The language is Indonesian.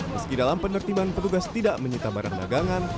meski dalam penertiban petugas tidak menyita barang dagangan